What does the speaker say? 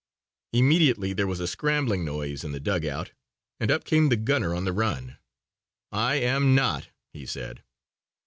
Immediately there was a scrambling noise down in the dugout and up came the gunner on the run. "I am not," he said.